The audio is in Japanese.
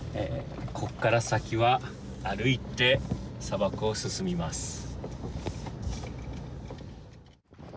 ここから先は歩いて砂漠を進みます。